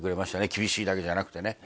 厳しいだけじゃなくてね